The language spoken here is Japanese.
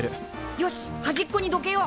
よしはじっこにどけよう。